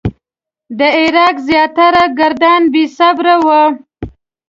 د عراق زیاتره کردان بې صبره وو.